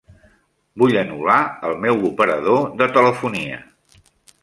Vull anul·lar el meu operador de telefonia.